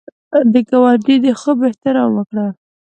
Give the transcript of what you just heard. د ګاونډي د خوب احترام وکړه